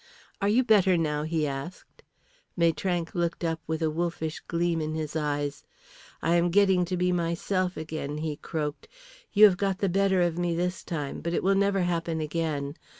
"Are you better now?" he asked. Maitrank looked up with a wolfish gleam in his eyes. "I am getting to be myself again," he croaked. "You have got the better of me this time, but it will never happen again.